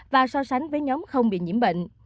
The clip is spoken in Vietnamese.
và so sánh với nhóm không bị nhiễm bệnh